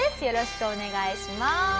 よろしくお願いします。